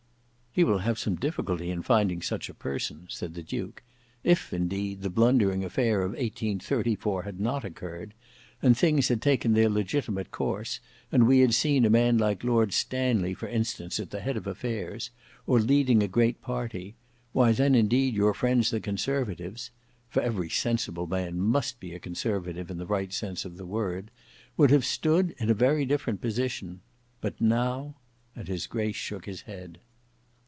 "He will have some difficulty in finding such a person," said the duke. "If, indeed, the blundering affair of 1834 had not occurred, and things had taken their legitimate course, and we had seen a man like Lord Stanley for instance at the head of affairs, or leading a great party, why then indeed your friends the conservatives,—for every sensible man must be a conservative, in the right sense of the word,—would have stood in a very different position; but now—," and his grace shook his head.